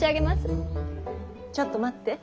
ちょっと待って。